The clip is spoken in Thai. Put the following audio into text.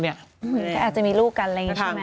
นี่อาจจะมีลูกกันว่างนี้ใช่ไหม